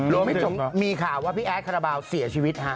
รวมให้จมมีข่าวว่าพี่แอ๊กฆาตเบาเสียชีวิตฮะ